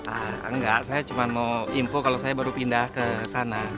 ah enggak saya cuma mau info kalau saya baru pindah ke sana